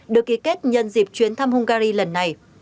được ký kết nhân dịp chuyến thăm hungary lần này